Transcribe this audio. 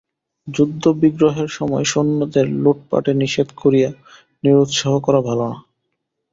যুদ্ধবিগ্রহের সময় সৈন্যদের লুঠপাটে নিষেধ করিয়া নিরুৎসাহ করা ভালো না।